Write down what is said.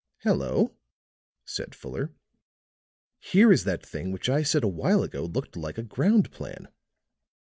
"Hello," said Fuller, "here is that thing which I said a while ago looked like a ground plan."